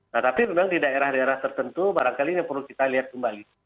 nah tapi memang di daerah daerah tertentu barangkali ini perlu kita lihat kembali